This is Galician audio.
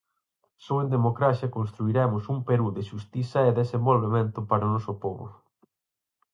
Só en democracia construiremos un Perú de xustiza e desenvolvemento para o noso pobo.